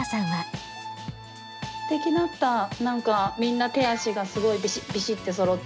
すてきだった、なんか、みんな手足がすごいびしっびしってそろって。